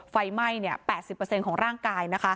ไฟไหม้๘๐ของร่างกาย